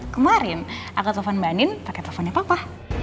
kemarin aku telepon mbak andin pakai teleponnya papa